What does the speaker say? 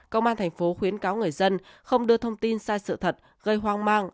công an tp khuyến cáo người dân không đưa thông tin sai sự thật gây hoang mang